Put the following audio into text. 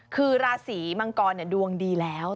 คือราศีมังกรดวงดีแล้ว